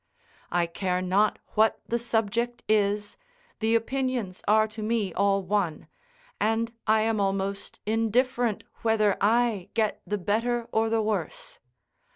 I care not what the subject is, the opinions are to me all one, and I am almost indifferent whether I get the better or the worse.